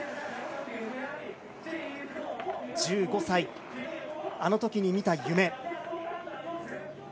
１５歳、あのときに見た夢。